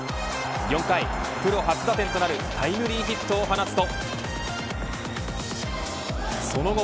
４回、プロ初打点となるタイムリーヒットを放つと。